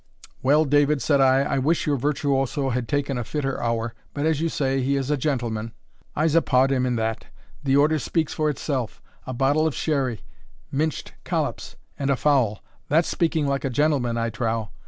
"Well, David," said I, "I wish your virtuoso had taken a fitter hour but as you say he is a gentleman " "I'se uphaud him that the order speaks for itsell a bottle of sherry minched collops and a fowl that's speaking like a gentleman, I trow?